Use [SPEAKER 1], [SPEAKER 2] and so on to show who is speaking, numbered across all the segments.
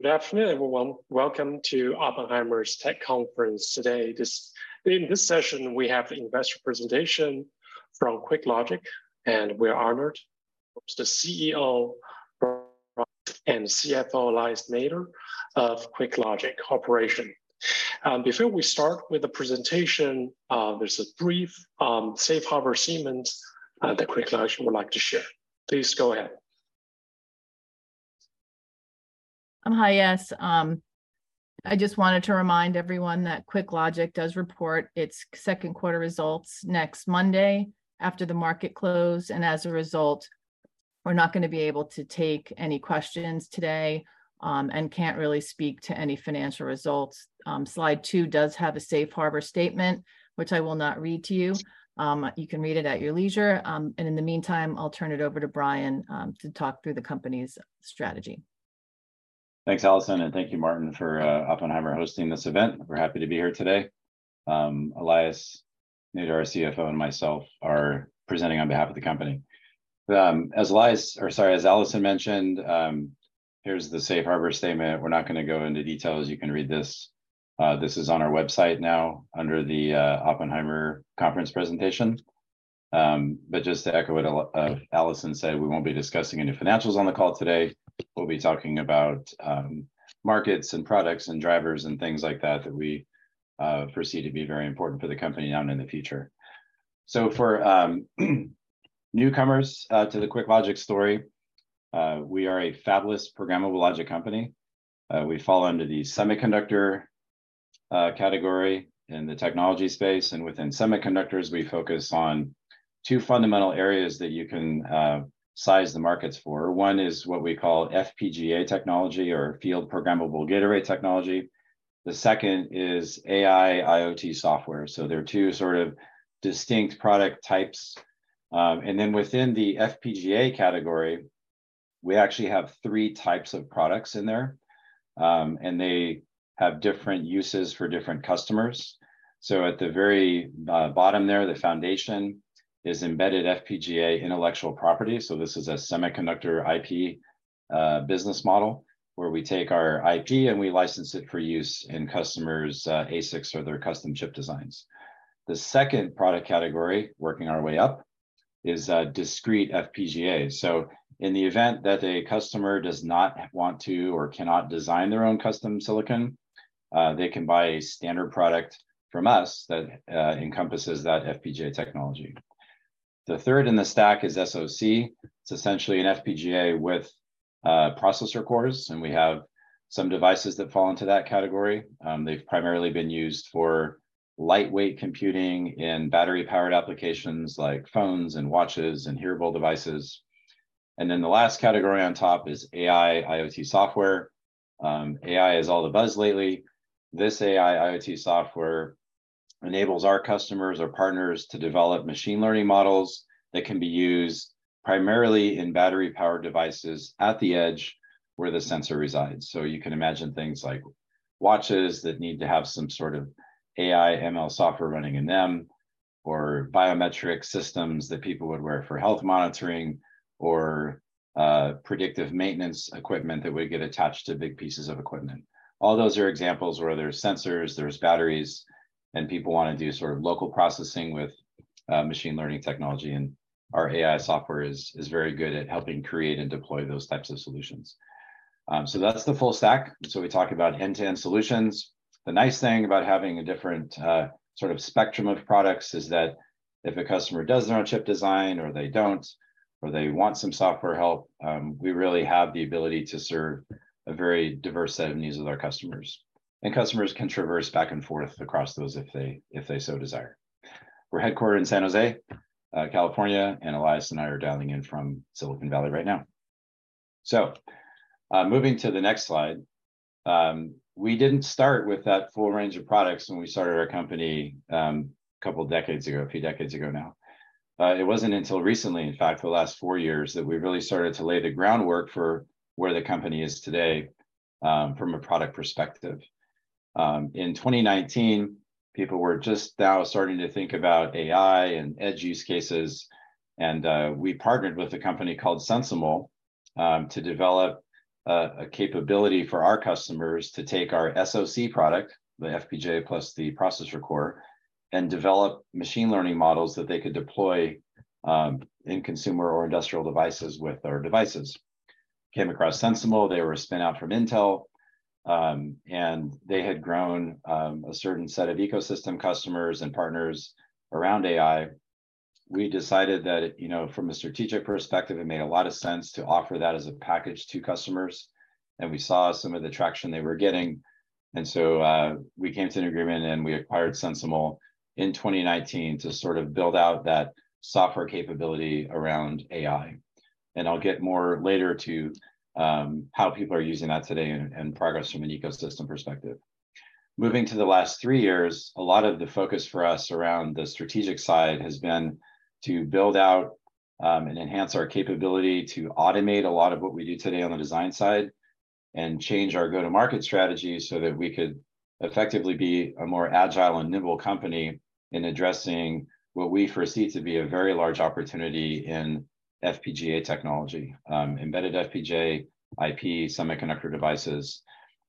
[SPEAKER 1] Good afternoon, everyone. Welcome to Oppenheimer's Tech Conference today. In this session, we have the investor presentation from QuickLogic. We're honored. Of course, the CEO, and CFO, Elias Nader, of QuickLogic Corporation. Before we start with the presentation, there's a brief, safe harbor statement, that QuickLogic would like to share. Please go ahead.
[SPEAKER 2] Hi, yes. I just wanted to remind everyone that QuickLogic does report its second quarter results next Monday after the market close, and as a result, we're not gonna be able to take any questions today, and can't really speak to any financial results. Slide two does have a safe harbor statement, which I will not read to you. You can read it at your leisure, and in the meantime, I'll turn it over to Brian, to talk through the company's strategy.
[SPEAKER 3] Thanks, Allison, and thank you, Martin, for Oppenheimer hosting this event. We're happy to be here today. Elias Nader, our CFO, and myself are presenting on behalf of the company. As Elias, or sorry, as Allison mentioned, here's the safe harbor statement. We're not gonna go into details. You can read this. This is on our website now under the Oppenheimer conference presentation. Just to echo what A- Allison said, we won't be discussing any financials on the call today. We'll be talking about markets, and products, and drivers, and things like that, that we foresee to be very important for the company now and in the future. For newcomers to the QuickLogic story, we are a fabless programmable logic company. We fall under the semiconductor category in the technology space, and within semiconductors, we focus on two fundamental areas that you can size the markets for. One is what we call FPGA technology or field-programmable gate array technology. The second is AI/IoT software. There are two sort of distinct product types. And then within the FPGA category, we actually have three types of products in there, and they have different uses for different customers. At the very bottom there, the foundation is embedded FPGA intellectual property. This is a semiconductor IP business model, where we take our IP, and we license it for use in customers' ASICs or their custom chip designs. The second product category, working our way up, is Discrete FPGA. In the event that a customer does not want to or cannot design their own custom silicon, they can buy a standard product from us that encompasses that FPGA technology. The third in the stack is SoC. It's essentially an FPGA with processor cores, and we have some devices that fall into that category. They've primarily been used for lightweight computing in battery-powered applications like phones, and watches, and hearable devices. The last category on top is AI/IoT software. AI is all the buzz lately. This AI/IoT software enables our customers or partners to develop machine learning models that can be used primarily in battery-powered devices at the edge where the sensor resides. You can imagine things like watches that need to have some sort of AI, ML software running in them, or biometric systems that people would wear for health monitoring, or predictive maintenance equipment that would get attached to big pieces of equipment. All those are examples where there's sensors, there's batteries, and people wanna do sort of local processing with machine learning technology, and our AI software is very good at helping create and deploy those types of solutions. That's the full stack. We talk about end-to-end solutions. The nice thing about having a different sort of spectrum of products is that if a customer does their own chip design or they don't, or they want some software help, we really have the ability to serve a very diverse set of needs of our customers. Customers can traverse back and forth across those if they, if they so desire. We're headquartered in San Jose, California, and Elias and I are dialing in from Silicon Valley right now. Moving to the next slide, we didn't start with that full range of products when we started our company, a couple of decades ago, a few decades ago now. It wasn't until recently, in fact, the last four years, that we really started to lay the groundwork for where the company is today, from a product perspective. In 2019, people were just now starting to think about AI and edge use cases, and we partnered with a company called SensiML to develop a capability for our customers to take our SoC product, the FPGA plus the processor core, and develop machine learning models that they could deploy in consumer or industrial devices with our devices. Came across SensiML. They were spin out from Intel, and they had grown a certain set of ecosystem customers and partners around AI. We decided that, you know, from a strategic perspective, it made a lot of sense to offer that as a package to customers, and we saw some of the traction they were getting. So, we came to an agreement, and we acquired SensiML in 2019 to sort of build out that software capability around AI. I'll get more later to how people are using that today and progress from an ecosystem perspective. Moving to the last three years, a lot of the focus for us around the strategic side has been to build out and enhance our capability to automate a lot of what we do today on the design side, and change our go-to-market strategy so that we could effectively be a more agile and nimble company in addressing what we foresee to be a very large opportunity in FPGA technology, embedded FPGA, IP semiconductor devices.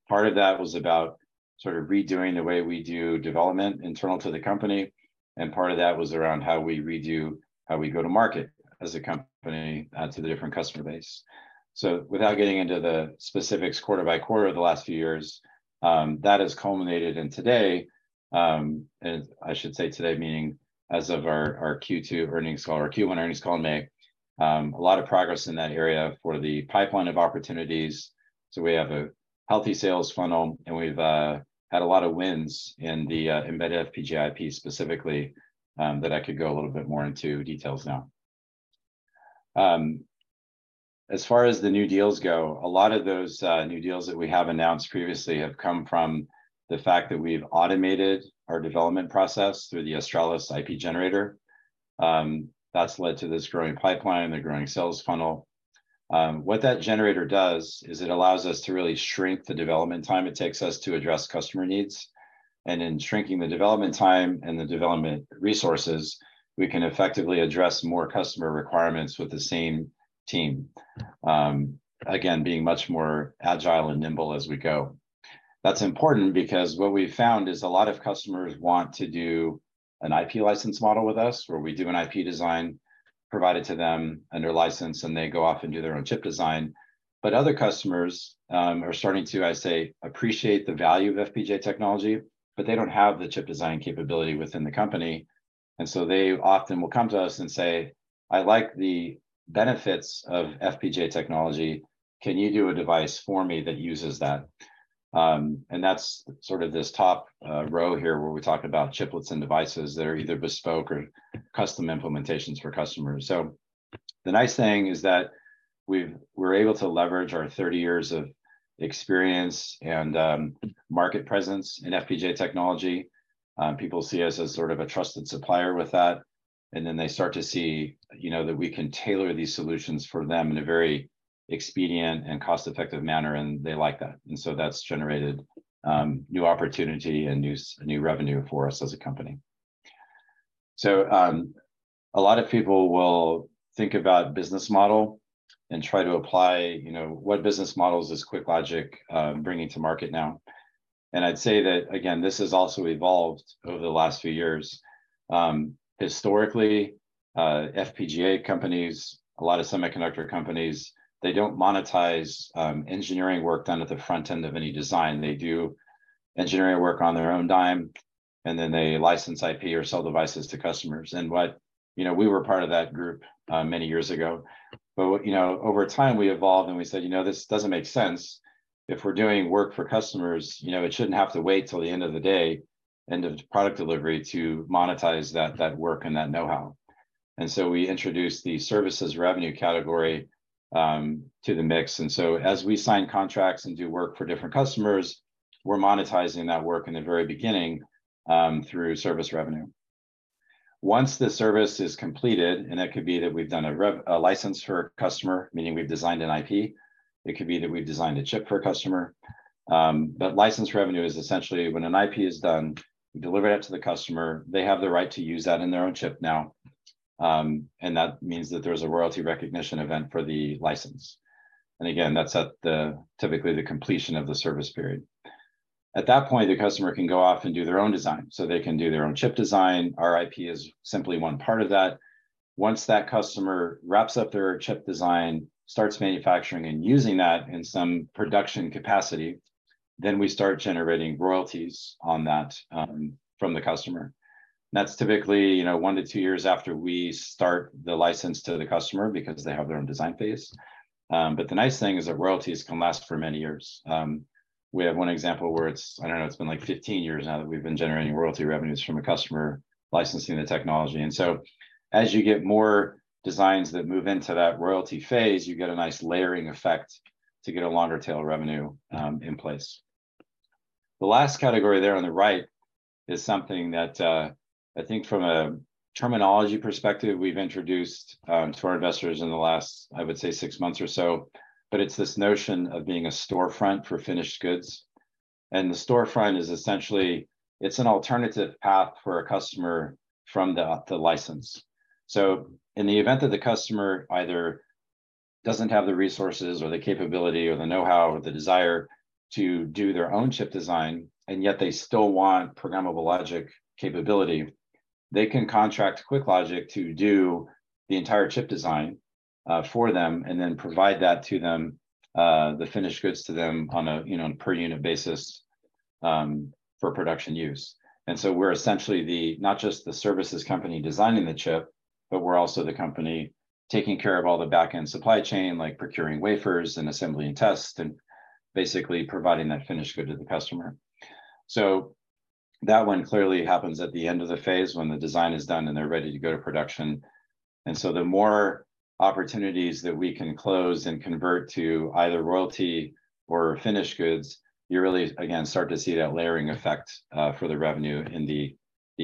[SPEAKER 3] Part of that was about sort of redoing the way we do development internal to the company, and part of that was around how we redo, how we go to market as a company, to the different customer base. Without getting into the specifics quarter by quarter of the last few years, that has culminated in today, and I should say today, meaning as of our Q2 earnings call, our Q1 earnings call in May. A lot of progress in that area for the pipeline of opportunities, so we have a healthy sales funnel, and we've had a lot of wins in the eFPGA IP specifically, that I could go a little bit more into details now. As far as the new deals go, a lot of those new deals that we have announced previously have come from the fact that we've automated our development process through the Australis IP Generator. That's led to this growing pipeline, the growing sales funnel. What that generator does is it allows us to really shrink the development time it takes us to address customer needs. In shrinking the development time and the development resources, we can effectively address more customer requirements with the same team. Again, being much more agile and nimble as we go. That's important because what we've found is a lot of customers want to do an IP license model with us, where we do an IP design, provide it to them under license, and they go off and do their own chip design. Other customers are starting to, I'd say, appreciate the value of FPGA technology, but they don't have the chip design capability within the company, and so they often will come to us and say, "I like the benefits of FPGA technology. Can you do a device for me that uses that?" That's sort of this top row here, where we talk about chiplets and devices that are either bespoke or custom implementations for customers. The nice thing is that we're able to leverage our 30 years of experience and market presence in FPGA technology. People see us as sort of a trusted supplier with that, then they start to see, you know, that we can tailor these solutions for them in a very expedient and cost-effective manner, and they like that. That's generated new opportunity and new, new revenue for us as a company. A lot of people will think about business model and try to apply, you know, what business models is QuickLogic bringing to market now. I'd say that, again, this has also evolved over the last few years. Historically, FPGA companies, a lot of semiconductor companies, they don't monetize, engineering work done at the front end of any design. They do engineering work on their own dime, and then they license IP or sell devices to customers. What, you know, we were part of that group, many years ago. You know, over time, we evolved and we said, "You know, this doesn't make sense. If we're doing work for customers, you know, it shouldn't have to wait till the end of the day, end of product delivery, to monetize that, that work and that know-how." We introduced the services revenue category to the mix, and so as we sign contracts and do work for different customers, we're monetizing that work in the very beginning through service revenue. Once the service is completed, and it could be that we've done a rev, a license for a customer, meaning we've designed an IP, it could be that we've designed a chip for a customer. License revenue is essentially when an IP is done, we deliver it to the customer, they have the right to use that in their own chip now, and that means that there's a royalty recognition event for the license. Again, that's at the, typically, the completion of the service period. At that point, the customer can go off and do their own design. They can do their own chip design. Our IP is simply one part of that. Once that customer wraps up their chip design, starts manufacturing and using that in some production capacity, then we start generating royalties on that from the customer. That's typically, you know, 1-2 years after we start the license to the customer because they have their own design phase. The nice thing is that royalties can last for many years. We have one example where it's, I don't know, it's been, like, 15 years now that we've been generating royalty revenues from a customer licensing the technology. As you get more designs that move into that royalty phase, you get a nice layering effect to get a longer-tail revenue in place. The last category there on the right is something that I think from a terminology perspective, we've introduced to our investors in the last, I would say, six months or so, but it's this notion of being a storefront for finished goods. The storefront is essentially, it's an alternative path for a customer from the, the license. In the event that the customer either doesn't have the resources or the capability or the know-how or the desire to do their own chip design, and yet they still want programmable logic capability, they can contract QuickLogic to do the entire chip design for them, and then provide that to them, the finished goods to them on a, you know, per-unit basis, for production use. We're essentially the, not just the services company designing the chip, but we're also the company taking care of all the back-end supply chain, like procuring wafers and assembly and test, and basically providing that finished good to the customer. That one clearly happens at the end of the phase when the design is done, and they're ready to go to production. The more opportunities that we can close and convert to either royalty or finished goods, you really, again, start to see that layering effect, for the revenue in the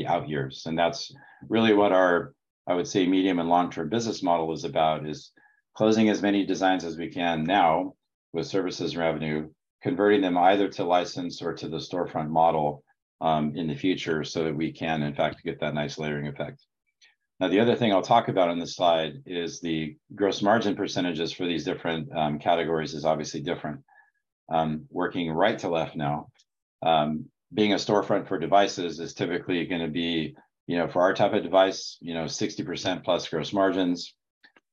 [SPEAKER 3] out years, and that's really what our, I would say, medium and long-term business model is about, is closing as many designs as we can now with services revenue, converting them either to license or to the storefront model, in the future, so that we can, in fact, get that nice layering effect. Now, the other thing I'll talk about on this slide is the gross margin percentages for these different categories is obviously different. Working right to left now, being a storefront for devices is typically gonna be, you know, for our type of device, you know, 60%+ gross margins.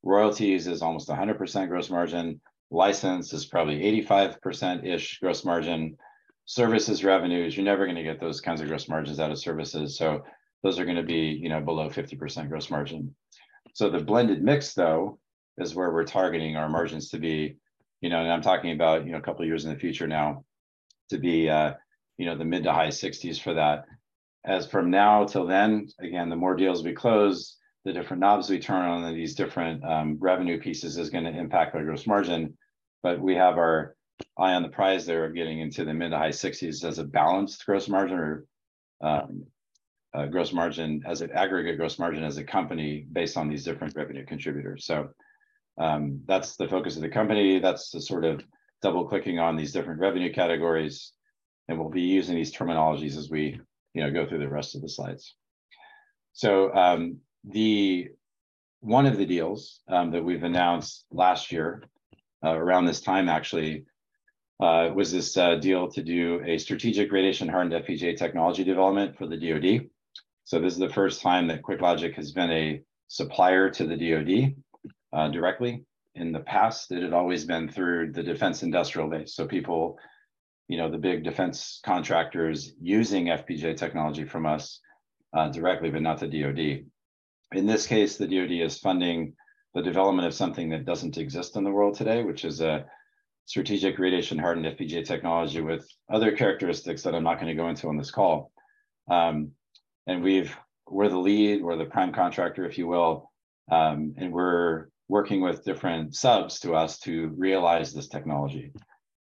[SPEAKER 3] Royalties is almost 100% gross margin. License is probably 85%-ish gross margin. Services revenues, you're never gonna get those kinds of gross margins out of services, those are gonna be, you know, below 50% gross margin. The blended mix, though, is where we're targeting our margins to be, you know, and I'm talking about, you know, a couple of years in the future now, to be, you know, the mid to high 60s for that. As from now till then, again, the more deals we close, the different knobs we turn on, and these different revenue pieces is gonna impact our gross margin. We have our eye on the prize there of getting into the mid to high 60s as a balanced gross margin or, a gross margin as an aggregate gross margin as a company based on these different revenue contributors. That's the focus of the company. That's the sort of double-clicking on these different revenue categories, and we'll be using these terminologies as we, you know, go through the rest of the slides. One of the deals that we've announced last year, around this time, actually, was this deal to do a strategic radiation-hardened FPGA technology development for the DoD. This is the first time that QuickLogic has been a supplier to the DoD directly. In the past, it had always been through the defense industrial base. People, you know, the big defense contractors using FPGA technology from us directly, but not the DoD. In this case, the DoD is funding the development of something that doesn't exist in the world today, which is a strategic radiation-hardened FPGA technology with other characteristics that I'm not gonna go into on this call. We're the lead, we're the prime contractor, if you will, and we're working with different subs to us to realize this technology.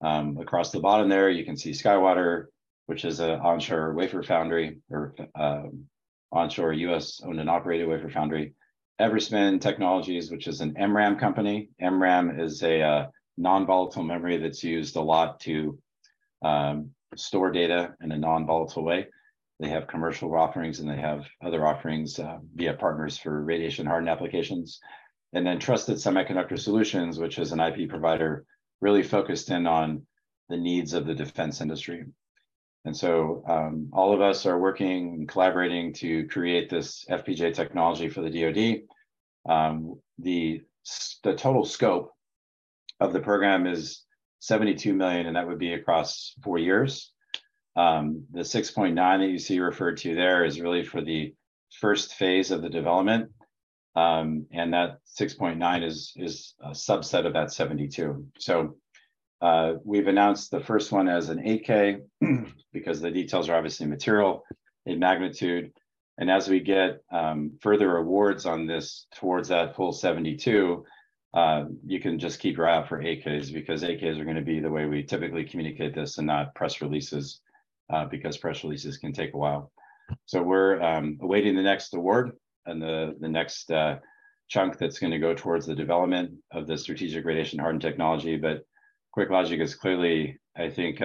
[SPEAKER 3] Across the bottom there, you can see SkyWater, which is a onshore wafer foundry or, onshore U.S.-owned and operated wafer foundry. Everspin Technologies, which is an MRAM company. MRAM is a non-volatile memory that's used a lot to store data in a non-volatile way. They have commercial offerings, and they have other offerings via partners for radiation-hardened applications. Trusted Semiconductor Solutions, which is an IP provider, really focused in on the needs of the defense industry. All of us are working and collaborating to create this FPGA technology for the DoD. The total scope of the program is $72 million, and that would be across four years. The $6.9 million that you see referred to there is really for the first phase of the development, and that $6.9 million is, is a subset of that $72 million. We've announced the first one as an 8-K, because the details are obviously material in magnitude, and as we get further awards on this towards that full $72 million, you can just keep your eye out for 8-Ks, because 8-Ks are gonna be the way we typically communicate this, and not press releases, because press releases can take a while. We're awaiting the next award and the next chunk that's gonna go towards the development of the strategic radiation-hardened technology. QuickLogic is clearly, I think,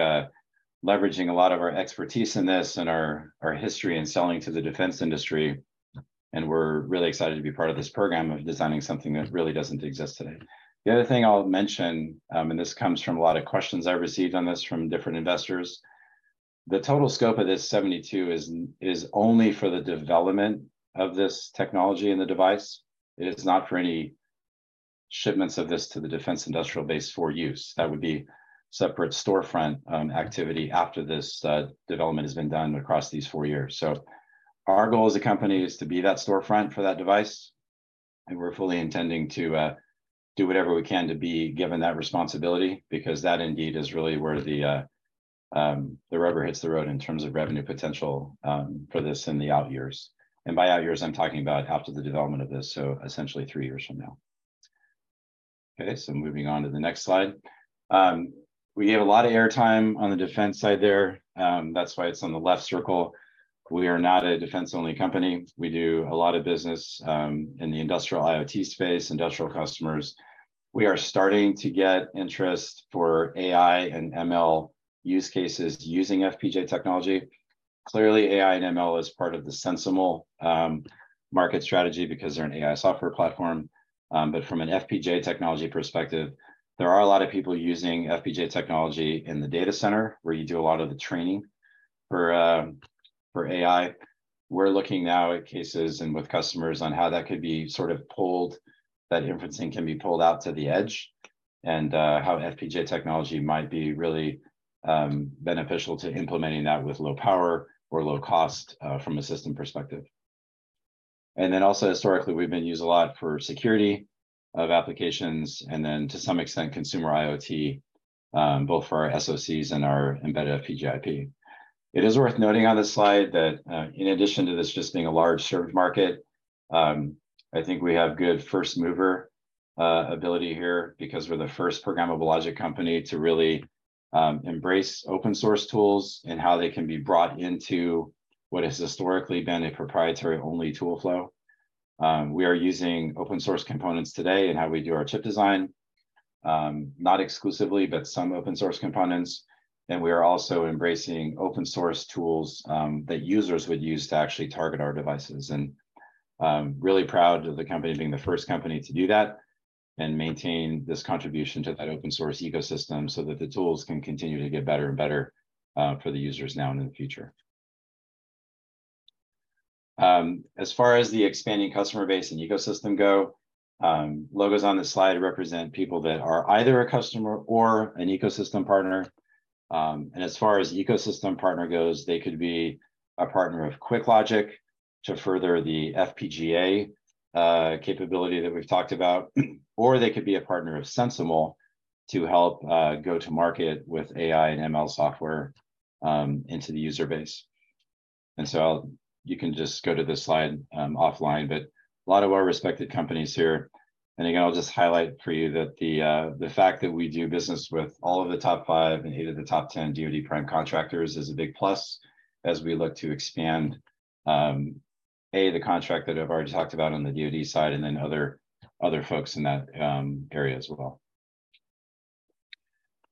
[SPEAKER 3] leveraging a lot of our expertise in this and our history in selling to the defense industry, and we're really excited to be part of this program of designing something that really doesn't exist today. The other thing I'll mention, and this comes from a lot of questions I received on this from different investors. The total scope of this $72 is only for the development of this technology and the device. It is not for any shipments of this to the defense industrial base for use. That would be separate storefront activity after this development has been done across these 4 years. Our goal as a company is to be that storefront for that device, and we're fully intending to do whatever we can to be given that responsibility, because that indeed is really where the rubber hits the road in terms of revenue potential for this in the out years. By out years, I'm talking about after the development of this, so essentially three years from now. Moving on to the next slide. We gave a lot of airtime on the defense side there, that's why it's on the left circle. We are not a defense-only company. We do a lot of business in the industrial IoT space, industrial customers. We are starting to get interest for AI and ML use cases using FPGA technology. AI and ML is part of the SensiML market strategy because they're an AI software platform, but from an FPGA technology perspective, there are a lot of people using FPGA technology in the data center, where you do a lot of the training for AI. We're looking now at cases and with customers on how that could be sort of pulled, that inferencing can be pulled out to the edge, and how FPGA technology might be really beneficial to implementing that with low power or low cost from a system perspective. Also, historically, we've been used a lot for security of applications, and then to some extent, consumer IoT, both for our SoCs and our embedded FPGA IP. It is worth noting on this slide that, in addition to this just being a large served market, I think we have good first mover ability here, because we're the first programmable logic company to really embrace open source tools and how they can be brought into what has historically been a proprietary-only tool flow. We are using open source components today in how we do our chip design, not exclusively, but some open source components. We are also embracing open source tools, that users would use to actually target our devices. I'm really proud of the company being the first company to do that and maintain this contribution to that open source ecosystem, so that the tools can continue to get better and better, for the users now and in the future. As far as the expanding customer base and ecosystem go, logos on this slide represent people that are either a customer or an ecosystem partner. As far as ecosystem partner goes, they could be a partner of QuickLogic to further the FPGA capability that we've talked about, or they could be a partner of SensiML to help go to market with AI and ML software into the user base. So you can just go to this slide offline, but a lot of well-respected companies here. Again, I'll just highlight for you that the fact that we do business with all of the top five and eight of the top 10 DoD prime contractors is a big plus, as we look to expand, A, the contract that I've already talked about on the DoD side, and then other, other folks in that area as well.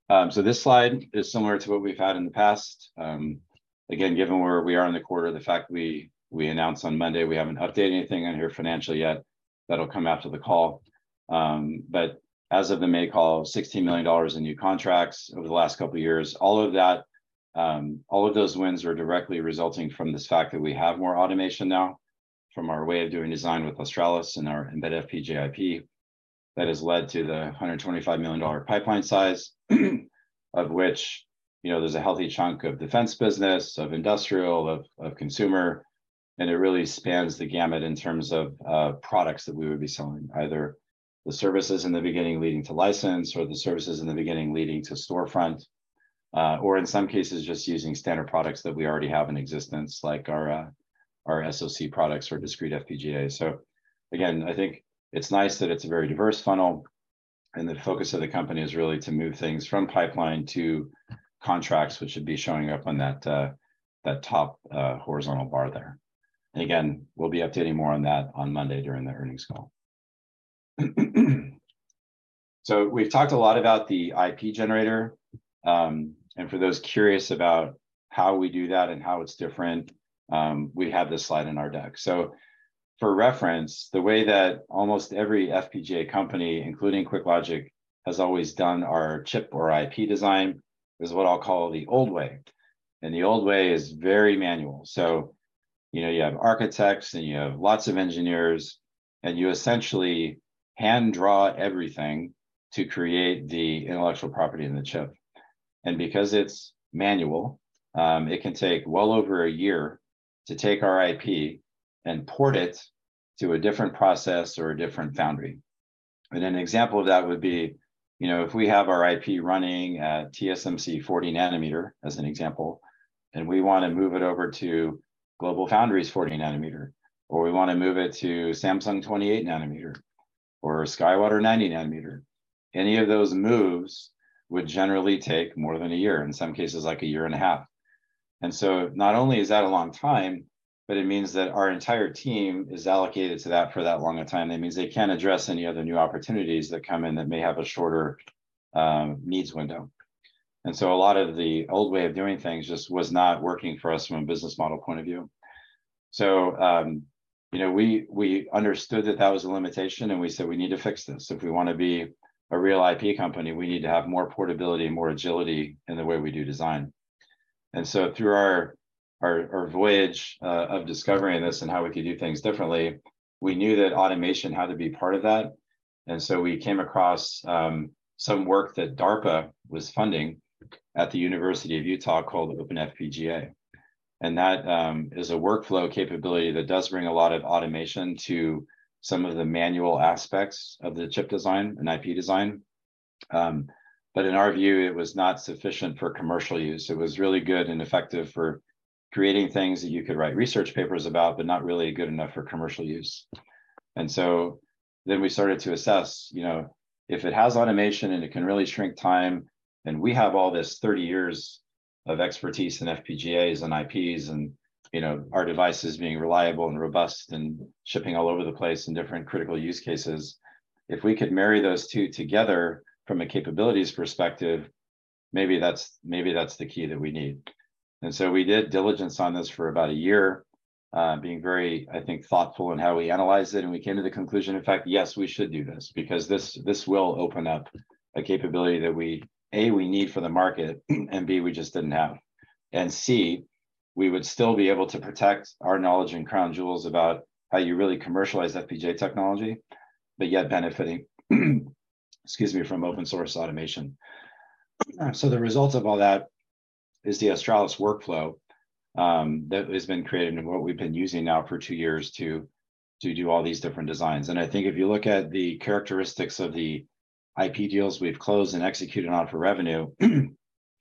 [SPEAKER 3] This slide is similar to what we've had in the past. Again, given where we are in the quarter, the fact we, we announced on Monday, we haven't updated anything on here financially yet. That'll come after the call. As of the May call, $16 million in new contracts over the last couple of years. All of that, all of those wins are directly resulting from this fact that we have more automation now, from our way of doing design with Australis and our embedded FPGA IP, that has led to the $125 million pipeline size, of which, you know, there's a healthy chunk of defense business, of industrial, of, of consumer, and it really spans the gamut in terms of products that we would be selling. Either the services in the beginning leading to license, or the services in the beginning leading to storefront, or in some cases, just using standard products that we already have in existence, like our, our SoC products or discrete FPGA. Again, I think it's nice that it's a very diverse funnel, and the focus of the company is really to move things from pipeline to contracts, which should be showing up on that, that top, horizontal bar there. Again, we'll be updating more on that on Monday during the earnings call. We've talked a lot about the IP generator, and for those curious about how we do that and how it's different, we have this slide in our deck. For reference, the way that almost every FPGA company, including QuickLogic, has always done our chip or IP design, is what I'll call the old way. The old way is very manual. You know, you have architects, and you have lots of engineers, and you essentially hand draw everything to create the intellectual property in the chip. Because it's manual, it can take well over a year to take our IP and port it to a different process or a different foundry. An example of that would be, you know, if we have our IP running at TSMC 40 nanometer, as an example, and we wanna move it over to GlobalFoundries 40 nanometer, or we wanna move it to Samsung 28 nanometer, or SkyWater 90 nanometer, any of those moves would generally take more than a year, in some cases, like a year and a half. Not only is that a long time, but it means that our entire team is allocated to that for that longer time. That means they can't address any other new opportunities that come in that may have a shorter needs window. A lot of the old way of doing things just was not working for us from a business model point of view. You know, we, we understood that that was a limitation, and we said, "We need to fix this. If we wanna be a real IP company, we need to have more portability, more agility in the way we do design." Through our, our, our voyage of discovering this and how we could do things differently, we knew that automation had to be part of that. We came across some work that DARPA was funding at The University of Utah called OpenFPGA. That is a workflow capability that does bring a lot of automation to some of the manual aspects of the chip design and IP design. In our view, it was not sufficient for commercial use. It was really good and effective for creating things that you could write research papers about, but not really good enough for commercial use. We started to assess, you know, if it has automation and it can really shrink time, then we have all this 30 years of expertise in FPGAs and IPs and, you know, our devices being reliable and robust and shipping all over the place in different critical use cases. If we could marry those two together from a capabilities perspective, maybe that's, maybe that's the key that we need. We did diligence on this for about a year, being very, I think, thoughtful in how we analyzed it, and we came to the conclusion, in fact, yes, we should do this because this, this will open up a capability that we, A, we need for the market, and B, we just didn't have. C, we would still be able to protect our knowledge and crown jewels about how you really commercialize FPGA technology, but yet benefiting, excuse me, from open source automation. The results of all that is the Australis Workflow, that has been created and what we've been using now for two years to, to do all these different designs. I think if you look at the characteristics of the IP deals we've closed and executed on for revenue,...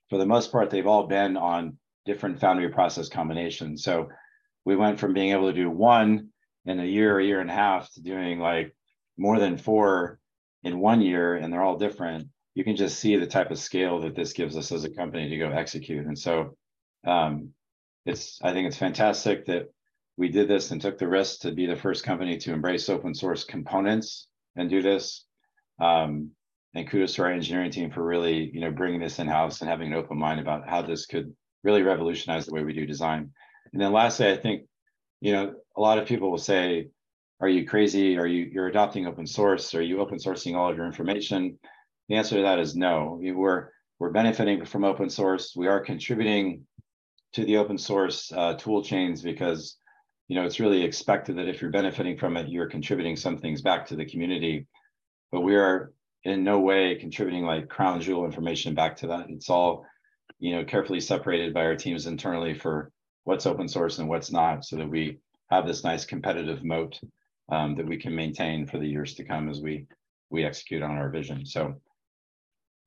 [SPEAKER 3] for the most part, they've all been on different foundry process combinations. We went from being able to do one in a year or a year and a half, to doing, like, more than four in one year, and they're all different. You can just see the type of scale that this gives us as a company to go execute. I think it's fantastic that we did this and took the risk to be the first company to embrace open source components and do this. Kudos to our engineering team for really, you know, bringing this in-house and having an open mind about how this could really revolutionize the way we do design. Lastly, I think, you know, a lot of people will say, "Are you crazy? Are you- you're adopting open source. Are you open sourcing all of your information? The answer to that is no. We're, we're benefiting from open source. We are contributing to the open source tool chains because, you know, it's really expected that if you're benefiting from it, you're contributing some things back to the community. We are in no way contributing, like, crown jewel information back to that. It's all, you know, carefully separated by our teams internally for what's open source and what's not, so that we have this nice competitive moat that we can maintain for the years to come as we, we execute on our vision.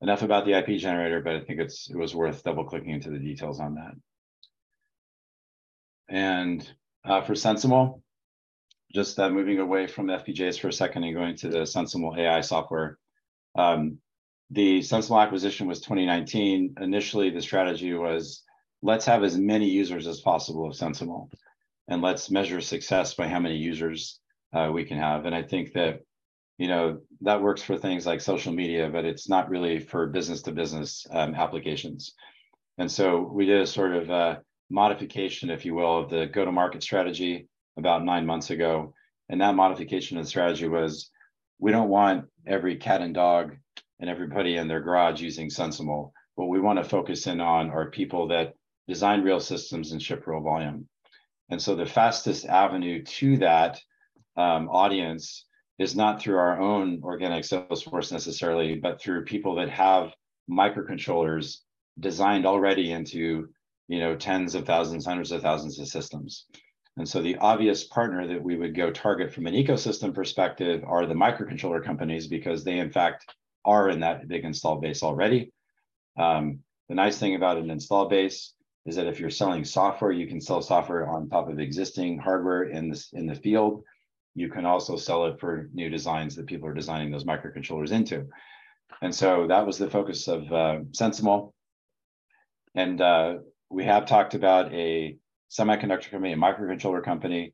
[SPEAKER 3] Enough about the IP generator, but I think it was worth double-clicking into the details on that. For SensiML, just moving away from the FPGAs for a second and going to the SensiML AI software. The SensiML acquisition was 2019. Initially, the strategy was, let's have as many users as possible of SensiML, and let's measure success by how many users we can have. I think that, you know, that works for things like social media, but it's not really for business-to-business applications. We did a sort of a modification, if you will, of the go-to-market strategy about 9 months ago. That modification of the strategy was, we don't want every cat and dog and everybody in their garage using SensiML. What we wanna focus in on are people that design real systems and ship real volume. The fastest avenue to that audience is not through our own organic sales force necessarily, but through people that have microcontrollers designed already into, you know, tens of thousands, hundreds of thousands of systems. The obvious partner that we would go target from an ecosystem perspective are the microcontroller companies, because they in fact are in that big install base already. The nice thing about an install base is that if you're selling software, you can sell software on top of existing hardware in the field. You can also sell it for new designs that people are designing those microcontrollers into. That was the focus of SensiML. We have talked about a semiconductor company, a microcontroller company,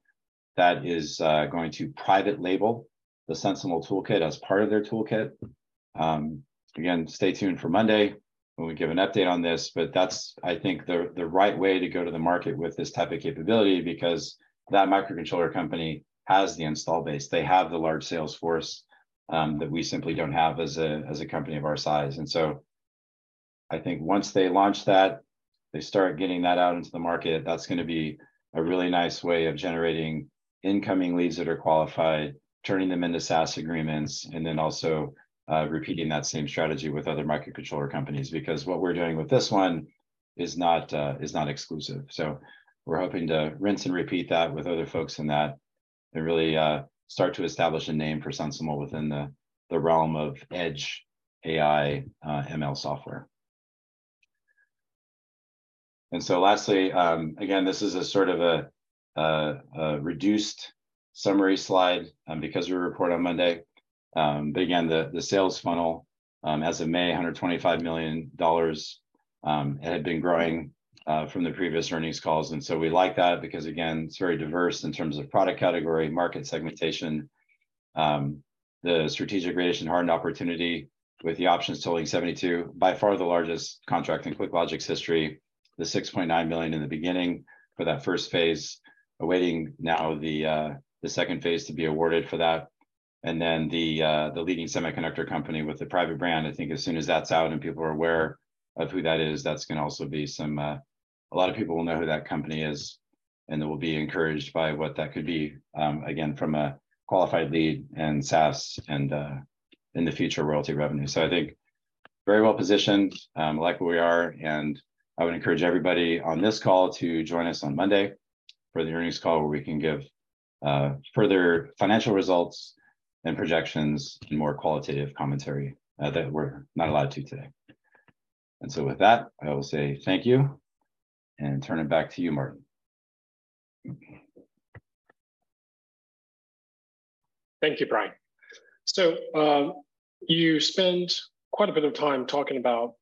[SPEAKER 3] that is going to private label thSensiML toolkit as part of their toolkit. Again, stay tuned for Monday when we give an update on this, that's, I think, the, the right way to go to the market with this type of capability, because that microcontroller company has the install base, they have the large sales force that we simply don't have as a, as a company of our size. I think once they launch that, they start getting that out into the market, that's gonna be a really nice way of generating incoming leads that are qualified, turning them into SaaS agreements, and then also repeating that same strategy with other microcontroller companies. What we're doing with this one is not, is not exclusive. We're hoping to rinse and repeat that with other folks in that, and really, start to establish a name for SensiML within the realm of edge AI, ML software. Lastly, again, this is a sort of a reduced summary slide, because we report on Monday. Again, the sales funnel, as of May, $125 million had been growing from the previous earnings calls. We like that because, again, it's very diverse in terms of product category, market segmentation, the strategic radiation-hardened opportunity with the options totaling 72. By far the largest contract in QuickLogic's history. The $6.9 million in the beginning for that first phase, awaiting now the second phase to be awarded for that, and then the leading semiconductor company with the private brand. I think as soon as that's out and people are aware of who that is, that's gonna also be some... a lot of people will know who that company is, and they will be encouraged by what that could be, again, from a qualified lead and SaaS and in the future, royalty revenue. I think very well positioned, like where we are, and I would encourage everybody on this call to join us on Monday for the earnings call, where we can give further financial results and projections and more qualitative commentary that we're not allowed to today. So with that, I will say thank you, and turn it back to you, Martin.
[SPEAKER 1] Thank you, Brian. You spent quite a bit of time talking about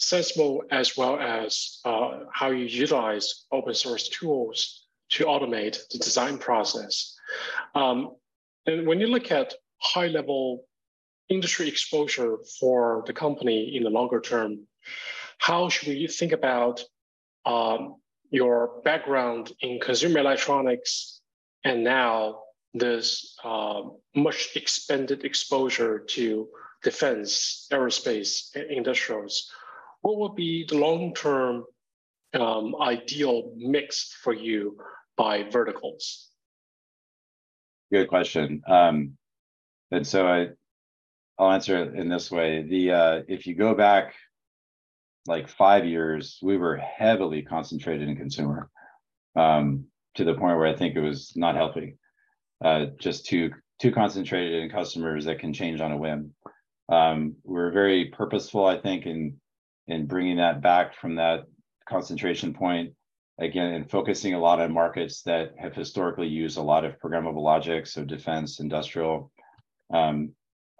[SPEAKER 1] SensiML, as well as how you utilize open source tools to automate the design process. When you look at high-level industry exposure for the company in the longer term, how should we think about your background in consumer electronics and now this much expanded exposure to Defense, aerospace, and industrials? What would be the long-term ideal mix for you by verticals?
[SPEAKER 3] Good question. So I, I'll answer it in this way. The, if you go back, like, 5 years, we were heavily concentrated in consumer.... to the point where I think it was not healthy. Just too, too concentrated in customers that can change on a whim. We're very purposeful, I think, in, in bringing that back from that concentration point, again, and focusing a lot on markets that have historically used a lot of programmable logic, so defense, industrial.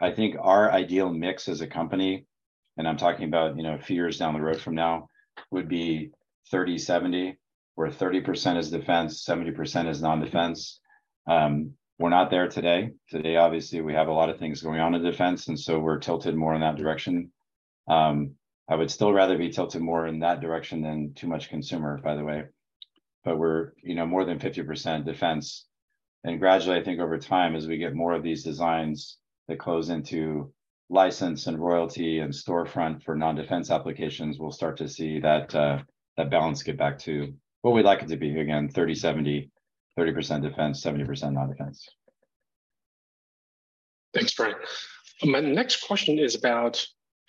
[SPEAKER 3] I think our ideal mix as a company, and I'm talking about, you know, a few years down the road from now, would be 30/70, where 30% is defense, 70% is non-defense. We're not there today. Today, obviously, we have a lot of things going on in defense, we're tilted more in that direction. I would still rather be tilted more in that direction than too much consumer, by the way. We're, you know, more than 50% defense. Gradually, I think over time, as we get more of these designs that close into license, and royalty, and storefront for non-defense applications, we'll start to see that balance get back to where we'd like it to be. Again, 30/70, 30% defense, 70% non-defense.
[SPEAKER 1] Thanks, Brian. My next question is about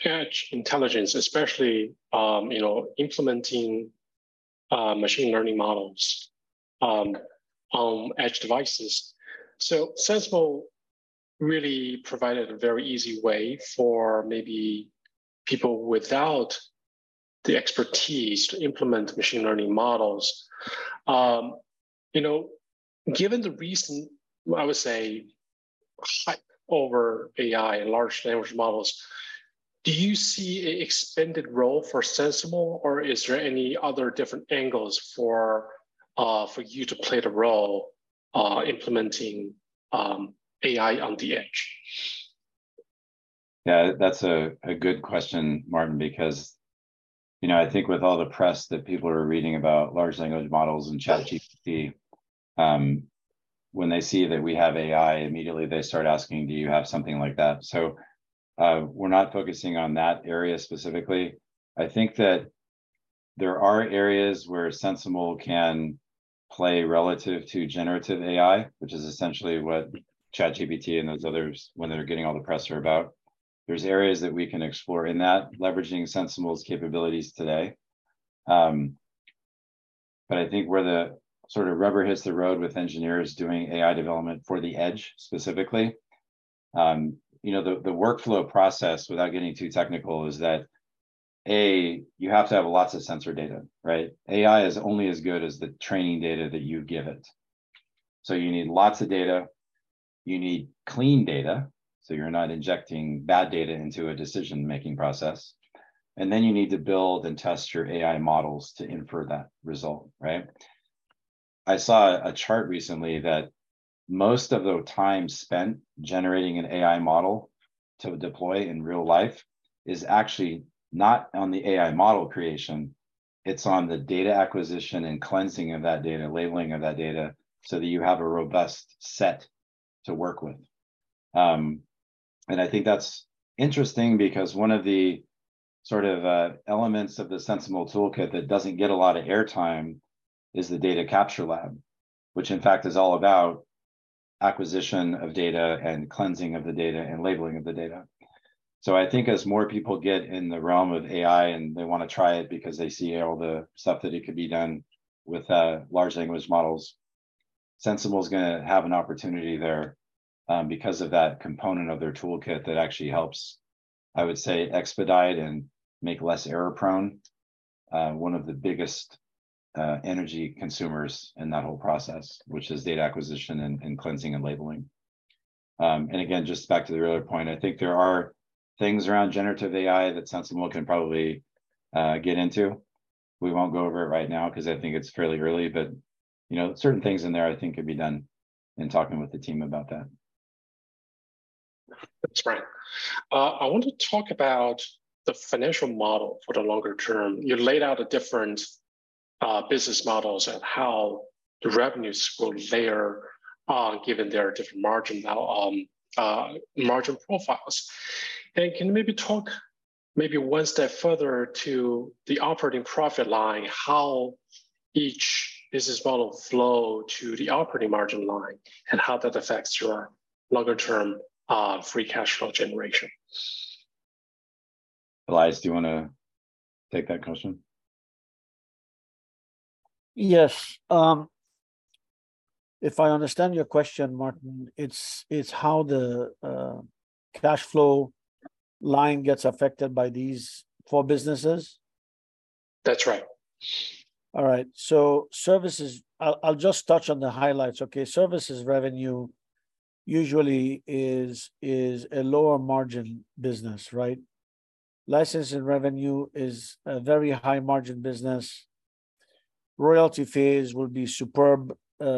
[SPEAKER 1] edge intelligence, especially, you know, implementing machine learning models on edge devices. SensiML really provided a very easy way for maybe people without the expertise to implement machine learning models. You know, given the recent, I would say, hype over AI and large language models, do you see a expanded role for SensiML, or is there any other different angles for you to play the role, implementing AI on the edge?
[SPEAKER 3] Yeah, that's a, a good question, Martin, because, you know, I think with all the press that people are reading about large language models and ChatGPT- Yes... when they see that we have AI, immediately they start asking, "Do you have something like that?" We're not focusing on that area specifically. I think that there are areas where SensiML can play relative to generative AI, which is essentially what ChatGPT and those others, when they're getting all the press, are about. There's areas that we can explore in that, leveraging SensiML capabilities today. I think where the sort of rubber hits the road with engineers doing AI development for the edge, specifically, you know, the, the workflow process, without getting too technical, is that, A, you have to have lots of sensor data, right? AI is only as good as the training data that you give it. You need lots of data. You need clean data, so you're not injecting bad data into a decision-making process. Then you need to build and test your AI models to infer that result, right? I saw a chart recently that most of the time spent generating an AI model to deploy in real life is actually not on the AI model creation, it's on the data acquisition and cleansing of that data, labeling of that data, so that you have a robust set to work with. And I think that's interesting because one of the sort of elements of the SensiML toolkit that doesn't get a lot of airtime is the Data Capture Lab. Which, in fact, is all about acquisition of data and cleansing of the data and labeling of the data. I think as more people get in the realm of AI, and they want to try it because they see all the stuff that it could be done with, large language models, SensiML's gonna have an opportunity there, because of that component of their toolkit that actually helps, I would say, expedite and make less error-prone, one of the biggest, energy consumers in that whole process, which is data acquisition and, and cleansing and labeling. Again, just back to the earlier point, I think there are things around generative AI that SensiML can probably get into. We won't go over it right now, 'cause I think it's fairly early, but, you know, certain things in there I think could be done in talking with the team about that.
[SPEAKER 1] Thanks, Brian. I want to talk about the financial model for the longer term. You laid out the different business models and how the revenues will layer on, given their different margin level, margin profiles. Can you maybe talk maybe one step further to the operating profit line, how each business model flow to the operating margin line, and how that affects your longer-term, free cash flow generation?
[SPEAKER 3] Elias, do you want to take that question?
[SPEAKER 4] Yes, if I understand your question, Martin, it's how the cash flow line gets affected by these four businesses?
[SPEAKER 1] That's right.
[SPEAKER 4] All right, services, I'll, I'll just touch on the highlights, okay? Services revenue usually is, is a lower margin business, right? Licensing revenue is a very high margin business. Royalty fees will be superb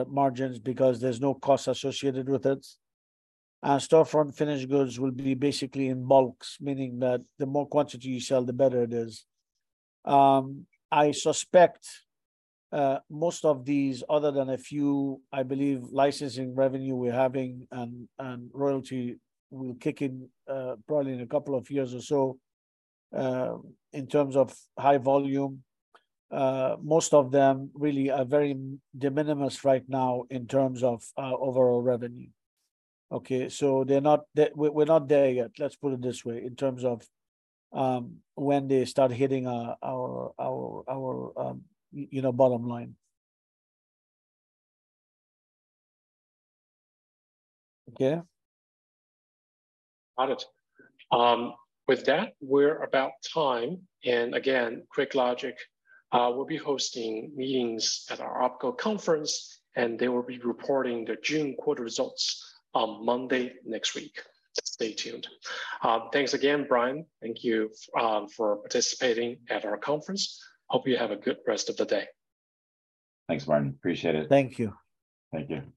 [SPEAKER 4] margins because there's no cost associated with it. Storefront finished goods will be basically in bulks, meaning that the more quantity you sell, the better it is. I suspect, most of these, other than a few, I believe licensing revenue we're having, and, and royalty will kick in, probably in two years or so, in terms of high volume. Most of them really are very de minimis right now in terms of, overall revenue. Okay, they're not there-- we're not there yet, let's put it this way, in terms of when they start hitting our, you know, bottom line. Okay?
[SPEAKER 1] Got it. With that, we're about time. QuickLogic, will be hosting meetings at our OpCo conference, and they will be reporting their June quarter results on Monday next week. Stay tuned. Thanks again, Brian. Thank you, for participating at our conference. Hope you have a good rest of the day.
[SPEAKER 3] Thanks, Martin. Appreciate it.
[SPEAKER 4] Thank you.
[SPEAKER 3] Thank you.